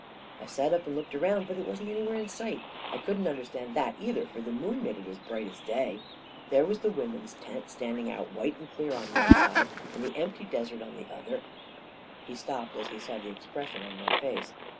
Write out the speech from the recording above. I sat up and looked around, but it wasn't anywhere in sight. I couldn't understand that, either, for the moon made 122 A KING IN BABYLON it as bright as day. There was the women's tent standing out white and clear on one side, and the empty desert on the other ..." He stopped as he saw the expression on my face.